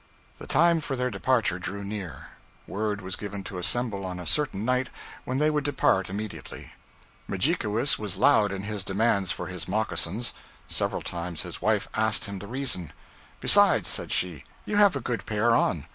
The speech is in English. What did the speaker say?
The time for their departure drew near. Word was given to assemble on a certain night, when they would depart immediately. Mudjikewis was loud in his demands for his moccasins. Several times his wife asked him the reason. 'Besides,' said she, 'you have a good pair on.'